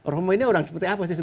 romo ini orang seperti apa sih